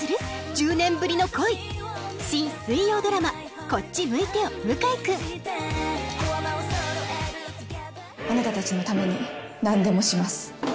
１０年ぶりの恋新水曜ドラマ『こっち向いてよ向井くん』あなたたちのために何でもします。